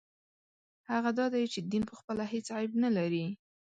هغه دا دی چې دین پخپله هېڅ عیب نه لري.